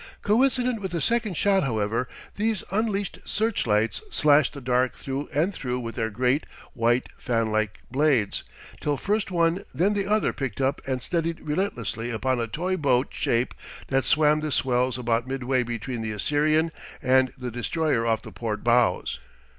Coincident with the second shot, however, these unleashed searchlights slashed the dark through and through with their great, white, fanlike blades, till first one then the other picked up and steadied relentlessly upon a toy boat shape that swam the swells about midway between the Assyrian and the destroyer off the port bows.